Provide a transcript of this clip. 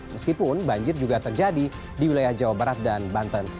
meskipun banjir juga terjadi di wilayah jawa barat dan banten